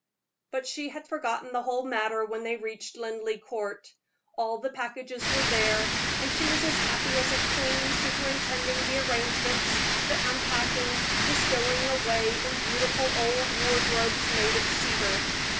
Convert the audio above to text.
But she had forgotten the whole matter when they reached Linleigh Court. All the packages were there, and she was as happy as a queen superintending the arrangements, the unpacking, the stowing away in beautiful old wardrobes made of cedar.